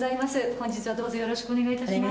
本日はどうぞよろしくお願いいたします。